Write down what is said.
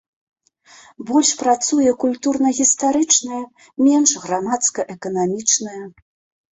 Больш працуе культурна-гістарычная, менш грамадска-эканамічная.